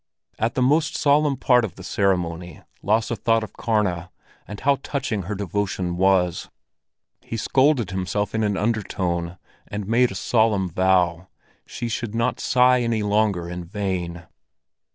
At the most solemn part of the ceremony, Lasse thought of Karna, and how touching her devotion was. He scolded himself in an undertone, and made a solemn vow. She should not sigh any longer in vain.